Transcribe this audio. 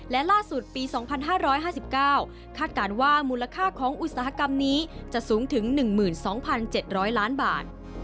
และล่าสุดปี๒๕๕๙คาดการณ์ว่ามูลค่าของอุตสาหกรรมนี้จะสูงถึง๑๒๗๐๐ล้านบาท